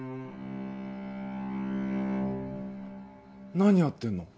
何やってんの？